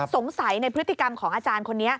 สงสัยในพฤติกรรมของอาจารย์คนนี้